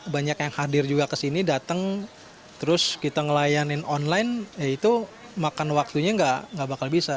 banyak yang hadir juga kesini datang terus kita ngelayanin online ya itu makan waktunya nggak bakal bisa